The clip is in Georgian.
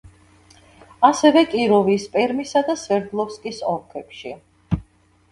ასევე კიროვის, პერმისა და სვერდლოვსკის ოლქებში.